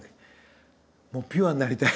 ピュアになりたい。